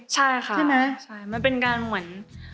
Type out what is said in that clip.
ใช่ค่ะใช่ไหมมันเป็นการเหมือน